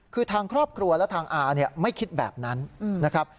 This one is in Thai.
คือทางครอบครัวและทางอาเนี่ยไม่คิดแบบนั้นนะครับ